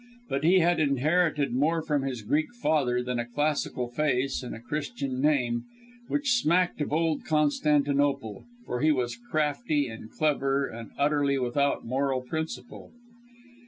But he had inherited more from his Greek father than a classical face and a Christian name which smacked of old Constantinople, for he was crafty and clever, and utterly without moral principle.